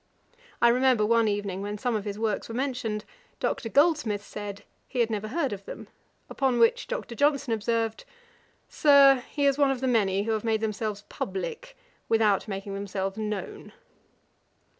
I remember one evening, when some of his works were mentioned, Dr. Goldsmith said, he had never heard of them; upon which Dr. Johnson observed, 'Sir, he is one of the many who have made themselves publick, without making themselves known.'